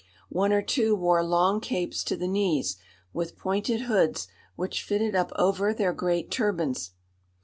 One or two wore long capes to the knees, with pointed hoods which fitted up over their great turbans.